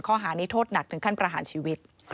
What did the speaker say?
ข้อหานี้โทษหนักถึงขั้นประหารชีวิต